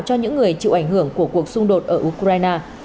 cho những người chịu ảnh hưởng của cuộc xung đột ở ukraine